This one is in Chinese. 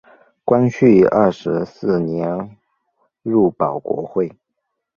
光绪二十四年入保国会。